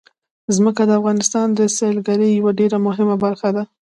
ځمکه د افغانستان د سیلګرۍ یوه ډېره مهمه برخه ده.